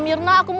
ini dan ini